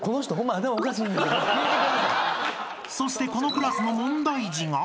［そしてこのクラスの問題児が］